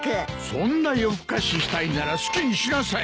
そんな夜更かししたいなら好きにしなさい。